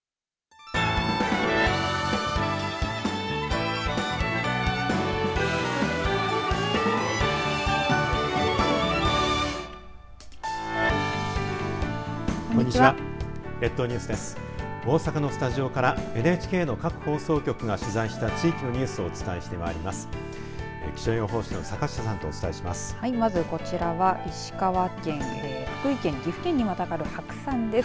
大阪のスタジオからＮＨＫの各放送局が取材した地域のニュースをお伝えしてまいります。